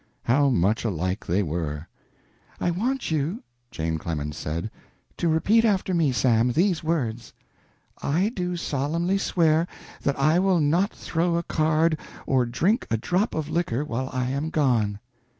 How much alike they were! "I want you," Jane Clemens said, "to repeat after me, Sam, these words: I do solemnly swear that I will not throw a card or drink a drop of liquor while I am gone."